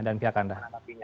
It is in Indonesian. dan pihak anda